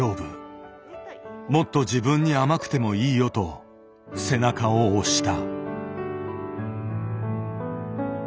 もっと自分に甘くてもいいよと背中を押した。